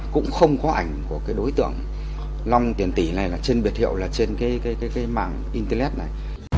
cũng không có ảnh của đối tượng long tiền tỷ này trên biệt hiệu trên mạng internet này